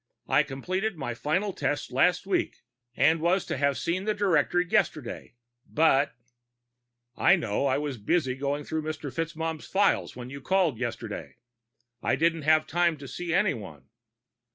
I completed my final tests last week, and was to have seen the director yesterday. But " "I know. I was busy going through Mr. FitzMaugham's files when you called yesterday. I didn't have time to see anyone."